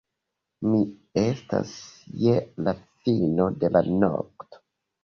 Mi estas je la fino de la nokto.